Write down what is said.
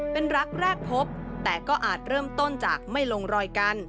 เป็นรักแรกพบแต่ก็อาจเริ่มต้นจากไม่ลงรอยกัน